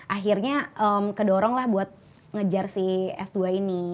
akhirnya kedorong lah buat ngejar si s dua ini